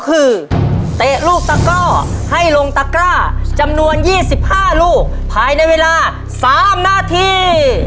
คือเตะลูกตะก้อให้ลงตะกร้าจำนวน๒๕ลูกภายในเวลา๓นาที